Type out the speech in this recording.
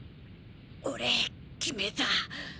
俺決めた。